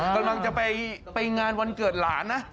กำลังจะไปงานวันเกิดหลานนะ